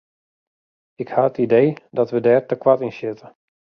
Ik ha it idee dat wy dêr te koart yn sjitte.